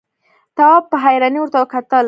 تواب په حيرانۍ ورته کتل…